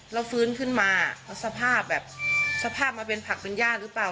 เราฟื้นขึ้นมาสภาพมาเป็นผักเป็นญาติหรือเปล่า